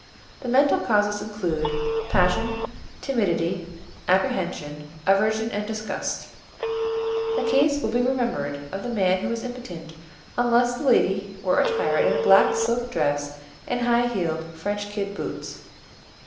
The mental causes include passion, timidity, apprehension, aversion, and disgust. The case will be remembered of the man who was impotent unless the lady were attired in a black silk dress and high heeled French kid boots.